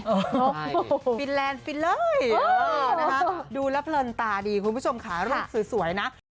ใช่ฟิลแลนด์ฟินเลยนะครับดูแล้วปล่นตาดีคุณผู้ชมค่ะรูปสวยนะ